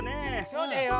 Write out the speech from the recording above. そうだよ。